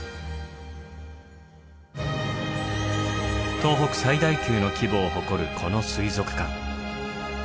東北最大級の規模を誇るこの水族館。